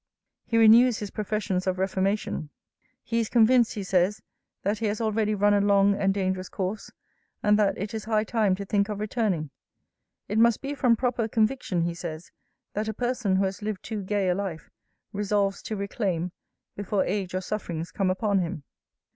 'He renews his professions of reformation. He is convinced, he says, that he has already run a long and dangerous course; and that it is high time to think of returning. It must be from proper conviction, he says, that a person who has lived too gay a life, resolves to reclaim, before age or sufferings come upon him.